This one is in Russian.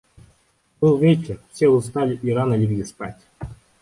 Был вечер; все устали и рано легли спать.